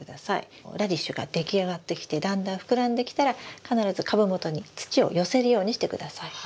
ラディッシュが出来上がってきてだんだん膨らんできたら必ず株元に土を寄せるようにしてください。